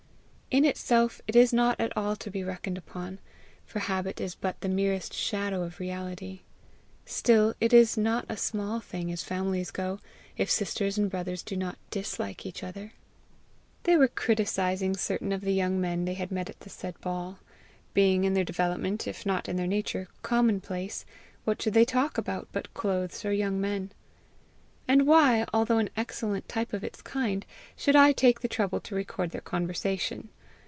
In itself it is not at all to be reckoned upon, for habit is but the merest shadow of reality. Still it is not a small thing, as families go, if sisters and brothers do not dislike each other. They were criticizing certain of the young men they had met at the said ball. Being, in their development, if not in their nature, commonplace, what should they talk about but clothes or young men? And why, although an excellent type of its kind, should I take the trouble to record their conversation?